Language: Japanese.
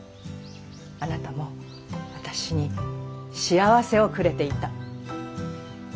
あなたも私に幸せをくれていた。